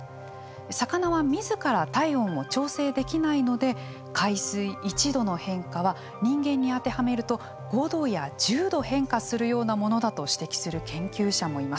魚は自ら体温を調整できないので海水１度の変化は人間に当てはめると５度や１０度変化するようなものだと指摘する研究者もいます。